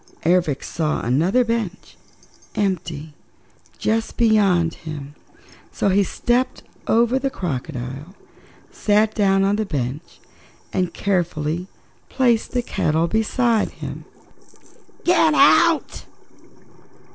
Ervic saw another bench, empty, just beyond him, so he stepped over the crocodile, sat down upon the bench and carefully placed the kettle beside him. "Get out!"